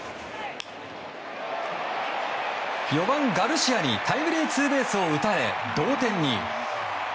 ４番、ガルシアにタイムリーツーベースを打たれ同点に。